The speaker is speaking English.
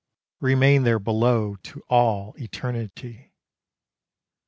Remain there below to all eternity!